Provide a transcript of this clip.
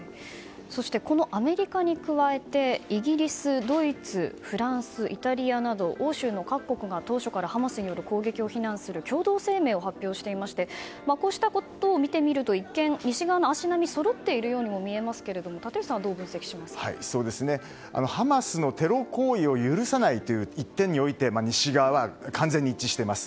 そしてこのアメリカに加えてイギリス、ドイツフランス、イタリアなど欧州の各国が当初からハマスによる攻撃を非難する共同声明を発表していましてこうしたことを見てみると一見、西側の足並みがそろっているように見えますけれどハマスのテロ行為を許さないという一点において西側は完全に一致しています。